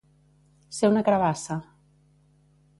Ser una carabassa.